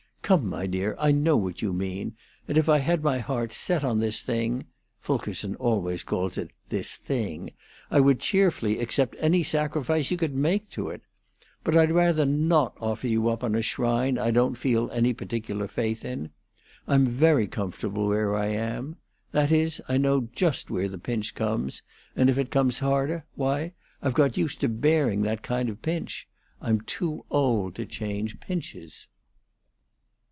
Come, my dear, I know what you mean, and if I had my heart set on this thing Fulkerson always calls it 'this thing' I would cheerfully accept any sacrifice you could make to it. But I'd rather not offer you up on a shrine I don't feel any particular faith in. I'm very comfortable where I am; that is, I know just where the pinch comes, and if it comes harder, why, I've got used to bearing that kind of pinch. I'm too old to change pinches."